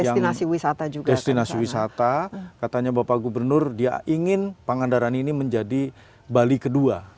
iya tepi pantai itu kan pasti bagus untuk destinasi wisata juga katanya bapak gubernur dia ingin pangandaran ini menjadi bali kedua